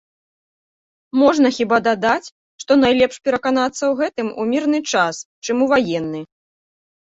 Можна хіба дадаць, што найлепш пераканацца ў гэтым у мірны час, чым у ваенны.